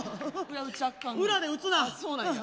裏で打つな。